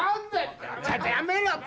ちょっとやめろって！